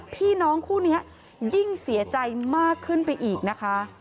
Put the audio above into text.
พี่น้องคู่นี้ยิ่งเสียใจมากขึ้นไปอีกนะคะ